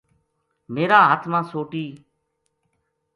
میر ا ہاتھ ما سوٹی